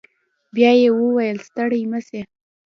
بيا يې وويل ستړي مه سئ.